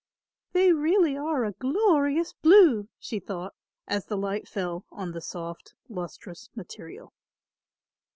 "They really are a glorious blue," she thought, as the light fell on the soft lustrous material.